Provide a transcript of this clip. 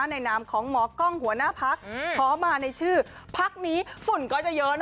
นามของหมอกล้องหัวหน้าพักขอมาในชื่อพักนี้ฝุ่นก็จะเยอะ